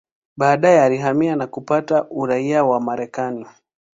Baadaye alihamia na kupata uraia wa Marekani.